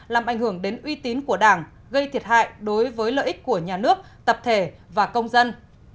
làm ảnh hưởng đến uy tín của đảng gây thiệt hại đối với lợi ích của nhà nước tập thể và công dân